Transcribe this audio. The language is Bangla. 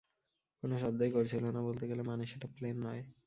কোনো শব্দই করছিল না বলতে গেলে, মানে সেটা প্লেন নয়।